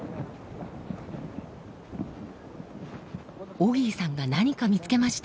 オギーさんが何か見つけました。